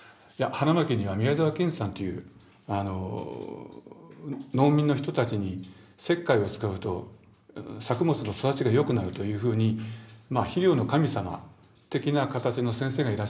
花巻には宮沢賢治さんという農民の人たちに石灰を使うと作物の育ちがよくなるというふうにまあ「肥料の神様」的なかたちの先生がいらっしゃると。